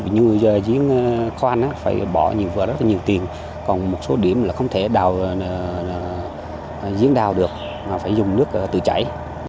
như diễn khoan phải bỏ vỡ rất nhiều tiền còn một số điểm là không thể diễn đào được phải dùng nước tự chảy